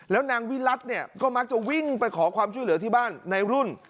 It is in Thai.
แล้วนางวิรัติเนี่ยก็มักจะวิ่งไปขอความช่วยเหลือที่บ้านในรุ่น